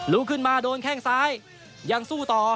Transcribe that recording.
ลุกขึ้นมาโดนแข้งซ้ายยังสู้ต่อ